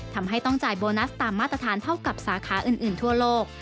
ทำให้ต้องจ่ายโบนัสตามมาตรฐานเท่ากับสาขาอื่นทั่วโลก